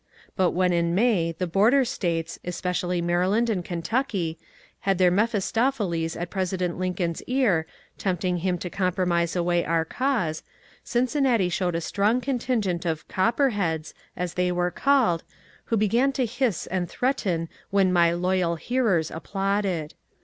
But when in May the border States, especially Maryland and Kentucky, had their Mephis topheles at President Lincoln's ear tempting him to compro mise away our cause, Cincinnati showed a strong contingent of '^ Copperheads," as they were called, who began to hiss and threaten when my loyal hearers applauded.